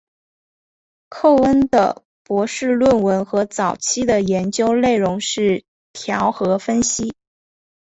寇恩的博士论文和早期的研究内容是调和分析。